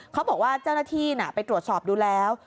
เขาบอกว่าเจ้าหน้าที่ไปตรวจสอบดูแล้ว